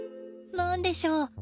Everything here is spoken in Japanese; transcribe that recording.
何でしょう